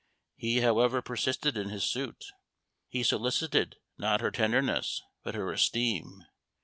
He, however, persisted in his suit. He solicited not her tenderness, but her esteem.